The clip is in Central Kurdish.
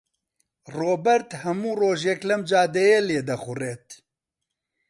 ڕۆبەرت هەموو ڕۆژێک لەم جادەیە لێدەخوڕێت.